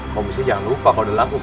komisi jangan lupa kalau udah laku pak